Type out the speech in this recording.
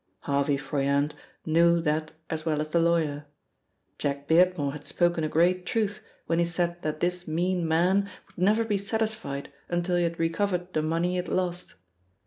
Harvey Froyant knew that as well as the lawyer. Jack Beardmore had spoken a great truth when he said that this mean man would never be satisfied until he had recovered the money he had lost.